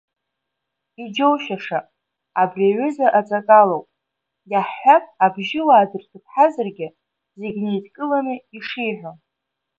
Иџьоушьаша, абри аҩыза аҵакалоуп, иаҳҳәап, Абжьыуаа дырҭыԥҳазаргьы зегь неидкыланы ишиҳәо.